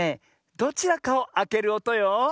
どちらかをあけるおとよ。